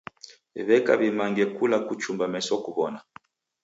W'eka w'imange kula kuchumba meso kuw'ona.